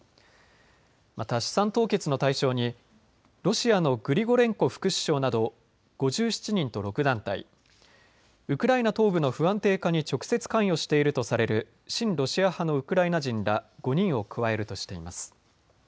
また資産凍結の対象にロシアのグリゴレンコ副首相など５７人と６団体、ウクライナ東部の不安定化に直接関与しているとされる親ロシア派のウクライナ人ら５人を加えるとしています。